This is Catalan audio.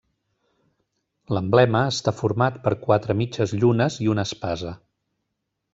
L'emblema està format per quatre mitges llunes i una espasa.